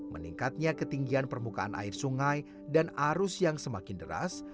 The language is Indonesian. meningkatnya ketinggian permukaan air sungai dan arus yang semakin deras